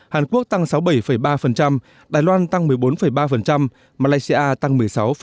hàn quốc tăng sáu mươi bảy ba đài loan tăng một mươi bốn ba malaysia tăng một mươi sáu năm